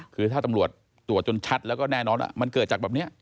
คือถ้าตำรวจตรวจจนชัดแล้วก็แน่นอนว่ามันเกิดจากแบบนี้